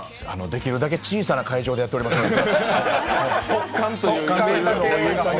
できるだけ小さな会場でやっておりますので。